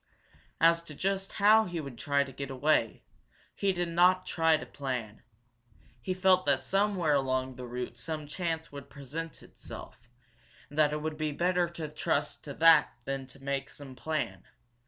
As to just how he would try to get away, he did not try to plan. He felt that somewhere along the route some chance would present itself, and that it would be better to trust to that than to make some plan.